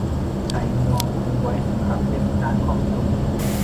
ไก่งวงมีไว้สำหรับเทศกาลขอบคุณ